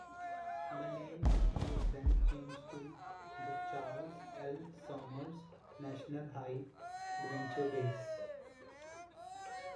The name was then changed to the Charles L. Sommers National High Adventure Base.